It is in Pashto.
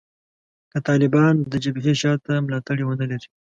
که طالبان د جبهې شا ته ملاتړي ونه لري